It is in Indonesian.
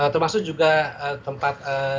termasuk juga tempat